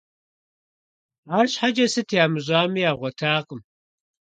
АрщхьэкӀэ, сыт ямыщӀами, ягъуэтакъым.